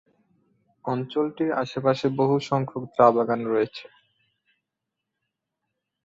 অঞ্চলটির আশেপাশে বহুসংখ্যক চা-বাগান রয়েছে।